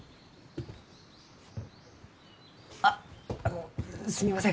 あっあのすみません